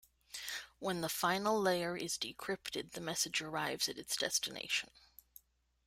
When the final layer is decrypted, the message arrives at its destination.